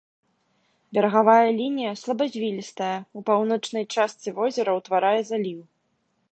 Берагавая лінія слабазвілістая, у паўночнай частцы возера ўтварае заліў.